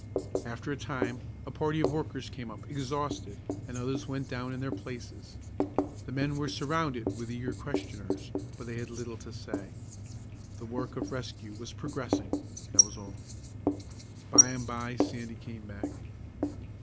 After a time, a party of workers came up, exhausted, and others went down in their places. The men were surrounded with eager questioners, but they had little to say. The work of rescue was progressing, that was all. By and by Sandy came back.